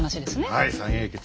はい三英傑ね。